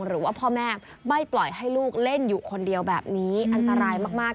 หรือว่าพ่อแม่ไม่ปล่อยให้ลูกเล่นอยู่คนเดียวแบบนี้อันตรายมาก